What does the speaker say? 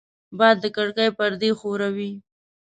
باد د کړکۍ پردې ښوروي